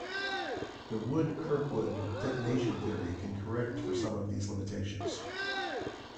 The Wood-Kirkwood detonation theory can correct for some of these limitations.